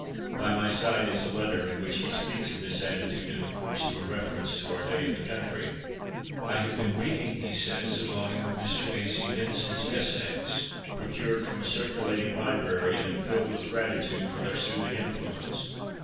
By my side is a letter in which he speaks of this attitude in the course of a reference to our day in the country. ' I have been reading,' he says, ' a volume of Mr. A. C. Benson's essays, procured from a circulating library, and am filled with 128 CONFESSIONS OF A BOOK LOVER gratitude for their soothing influence.